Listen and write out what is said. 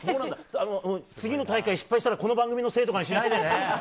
次の大会、失敗したらこの番組のせいにしないでね。